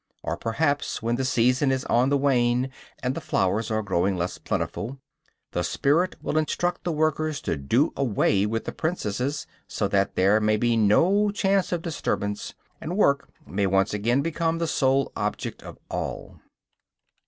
Or perhaps, when the season is on the wane, and the flowers are growing less plentiful, the spirit will instruct the workers to do away with the princesses, so that there may be no chance of disturbance, and work may once again become the sole object of all.